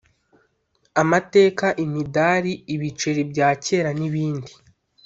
amateka imidari ibiceri bya kera n ibindi